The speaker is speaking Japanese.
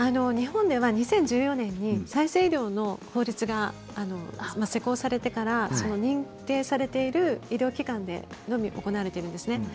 日本では２０１４年に再生医療の法律が施行されてから認定されている医療機関で行われています。